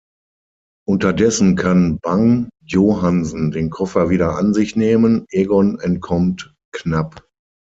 Unterdessen kann Bang-Johansen den Koffer wieder an sich nehmen, Egon entkommt knapp.